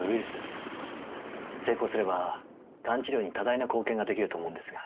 成功すれば癌治療に多大な貢献ができると思うんですが。